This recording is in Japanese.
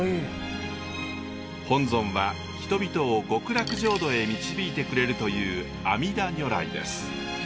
本尊は人々を極楽浄土へ導いてくれるという阿弥陀如来です。